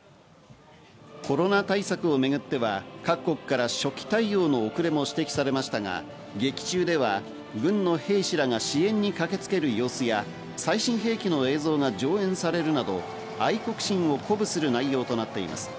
コロナ対策をめぐっては各国から初期対応の遅れも指摘されましたが、劇中では軍の兵士らが支援に駆けつける様子や、最新兵器の映像が上演されるなど、愛国心を鼓舞する内容となっています。